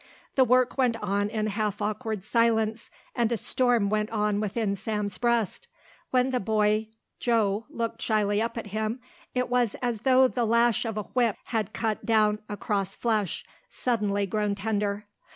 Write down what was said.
The work went on in half awkward silence and a storm went on within Sam's breast. When the boy Joe looked shyly up at him it was as though the lash of a whip had cut down across flesh, suddenly grown tender.